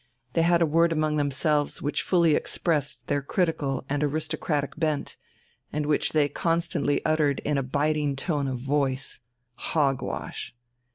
They had a word among themselves which fully expressed their critical and aristocratic bent, and which they constantly uttered in a biting tone of voice: "hog wash."